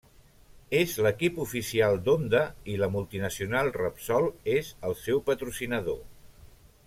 És l'equip oficial d'Honda i la multinacional Repsol és el seu patrocinador.